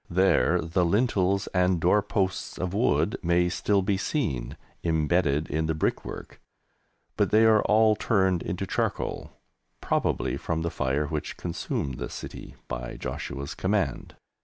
There the lintels and door posts of wood may still be seen embedded in the brickwork, but they are all turned into charcoal, probably from the fire which consumed the city by Joshua's command.